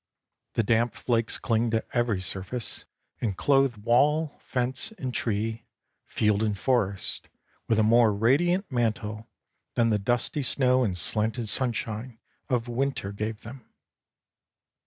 The damp flakes cling to every surface, and clothe wall, fence and tree, field and forest, with a more radiant mantle than the dusty snow and slanted sunshine of winter gave them.